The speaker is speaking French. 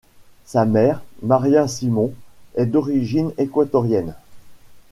Sa mère, Maria Simmons, est d'origine équatorienne.